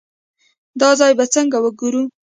دا ځای به څنګه وګورو.